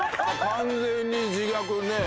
「完全に自虐ねえ」